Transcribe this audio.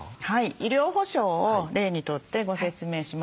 医療保障を例にとってご説明しますね。